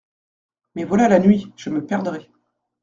Mais voilà la nuit, je me perdrai.